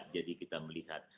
jadi kita melihat